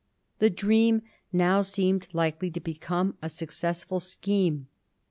The dream now seemed likely to become a successful scheme.